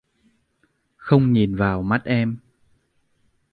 Không nhìn vào mắt em